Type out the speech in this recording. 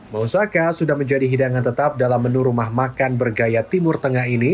mausaka sudah menjadi hidangan tetap dalam menu rumah makan bergaya timur tengah ini